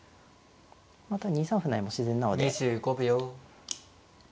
また２三歩成も自然なので。